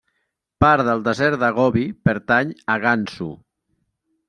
Part del desert de Gobi pertany a Gansu.